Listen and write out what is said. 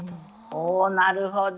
おおなるほど。